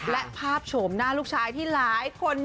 และภาพโฉมหน้าลูกชายที่หลายคน